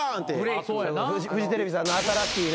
フジテレビさんの『新しい波』